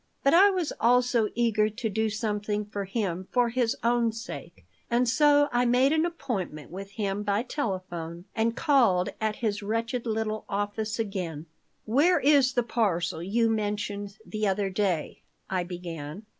But I was also eager to do something for him for his own sake. And so I made an appointment with him by telephone and called at his wretched little office again "Where is the parcel you mentioned the other day?" I began.